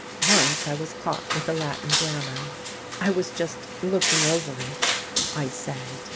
Once I was caught with a Latin grammar: I was just "looking over it," I said.